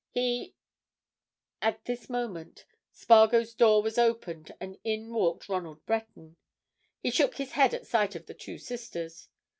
He——" At this moment Spargo's door was opened and in walked Ronald Breton. He shook his head at sight of the two sisters.